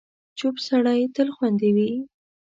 چوپ سړی، تل خوندي وي.